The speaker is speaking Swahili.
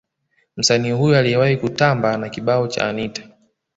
Msanii huyo aliyewahi kutamba na kibao cha Anita